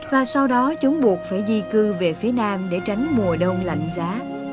và sau đó chúng buộc phải di cư về phía nam để tránh mùa đông lạnh giá